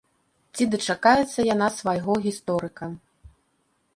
Ці дачакаецца яна свайго гісторыка?